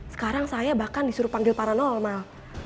sekarang saya bahkan disuruh panggil paranormal